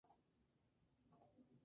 Hay varios rasgos distintivos.